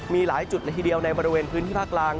มีหลายจุดละทีเดียวในบริเวณพื้นที่ภาคกลาง